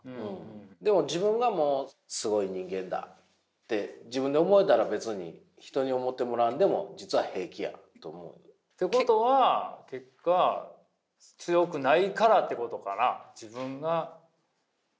でも自分がもうすごい人間だって自分で思えたら別に人に思ってもらわんでも実は平気やと思う？ってことは結果強くないからってことかな？